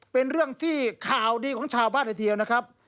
เป็นเรื่องที่ข่าวดีของชาวบ้านเลยทีเดียวนะครับ